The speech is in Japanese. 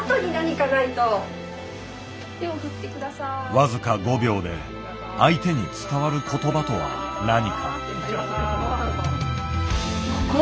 僅か５秒で相手に伝わる言葉とは何か。